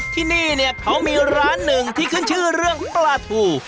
ที่นี่เนี่ยเขามีร้านหนึ่งที่ขึ้นชื่อเรื่องปลาทู